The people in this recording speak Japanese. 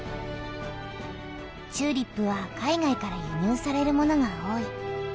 チューリップは海外からゆにゅうされるものが多い。